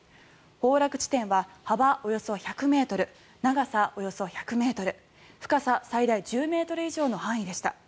崩落地点は幅およそ１００ｍ長さおよそ１００ｍ深さ最大１０ｍ以上の範囲でした。